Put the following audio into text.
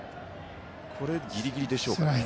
ギリギリでしょうか。